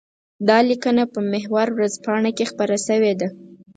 دا ليکنه په محور ورځپاڼه کې خپره شوې ده.